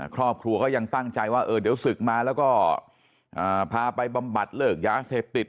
ครอบครัวก็ยังตั้งใจว่าเดี๋ยวศึกมาแล้วก็พาไปบำบัดเลิกยาเสพติด